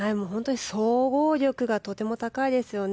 総合力がとても高いですよね。